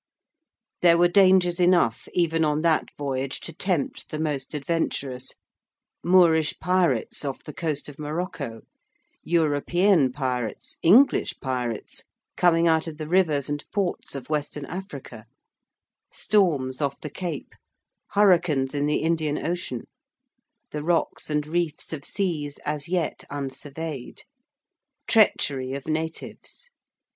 There were dangers enough even on that voyage to tempt the most adventurous: Moorish pirates off the coast of Morocco: European pirates English pirates coming out of the rivers and ports of Western Africa: storms off the Cape: hurricanes in the Indian Ocean: the rocks and reefs of seas as yet unsurveyed: treachery of natives.